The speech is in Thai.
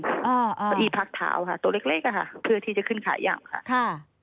เก้าอี้พักเท้าค่ะตัวเล็กอะค่ะเพื่อที่จะขึ้นขายอย่างค่ะ